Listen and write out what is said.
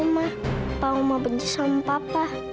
papa mama benci sama papa